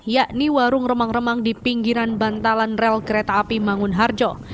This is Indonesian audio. yakni warung remang remang di pinggiran bantalan rel kereta api mangunharjo